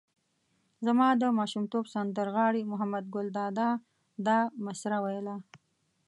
زما د ماشومتوب سندر غاړي محمد ګل دادا دا مسره ویله.